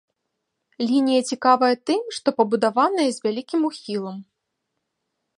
Лінія цікавая тым, што пабудаваная з вялікім ухілам.